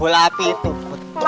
ada apaan sih